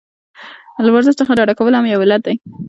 له ورزش څخه ډډه کول هم یو علت دی.